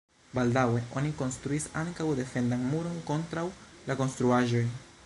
Baldaŭe oni konstruis ankaŭ defendan muron kontraŭ la konstruaĵoj.